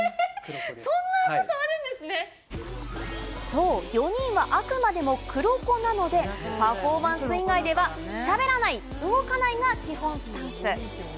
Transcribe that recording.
そう、４人はあくまでも黒子なので、パフォーマンス以外ではしゃべらない、動かないが基本なんです。